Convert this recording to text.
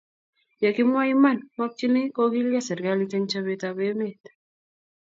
Ye kimwa iman, makchini kokilgei serkalit eng chobet ab emet